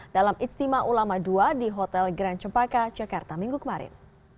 dalam ijtima ulama dua di hotel grand cempaka jakarta minggu kemarin